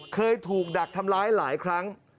เคยถูกดักทำร้ายหลายครั้ง